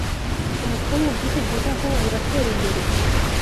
Ubukungu bwicyo gihugu buratera imbere.